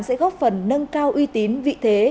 sẽ góp phần nâng cao uy tín vị thế